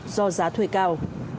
do giá thuê cao